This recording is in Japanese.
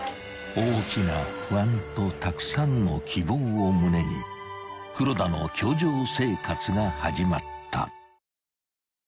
［大きな不安とたくさんの希望を胸に黒田の教場生活が始まった］